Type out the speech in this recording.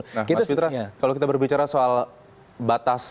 nah mas fitra kalau kita berbicara soal batas